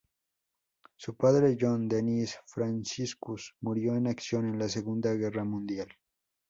Su padre, John Dennis Franciscus, murió en acción en la Segunda Guerra Mundial.